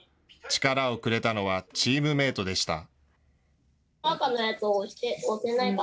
力をくれたのはチームメートでした。